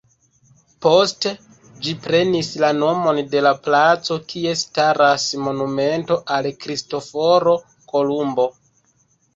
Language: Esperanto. Poste ĝi prenis la nomon de la placo kie staras monumento al Kristoforo Kolumbo.